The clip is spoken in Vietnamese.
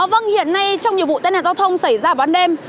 vâng hiện nay trong nhiều vụ tai nạn giao thông xảy ra vào ban đêm